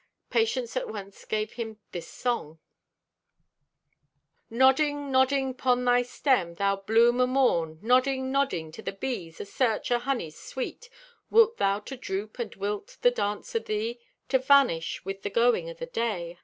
Patience at once gave him this song: Nodding, nodding, 'pon thy stem, Thou bloom o' morn, Nodding, nodding to the bees, Asearch o' honey's sweet. Wilt thou to droop and wilt the dance o' thee, To vanish with the going o' the day?